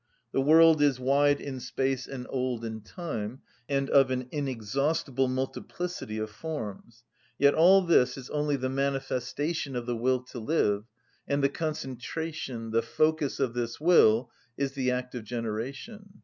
The world is wide in space and old in time, and of an inexhaustible multiplicity of forms. Yet all this is only the manifestation of the will to live; and the concentration, the focus of this will is the act of generation.